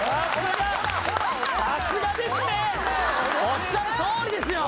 おっしゃるとおりですよ！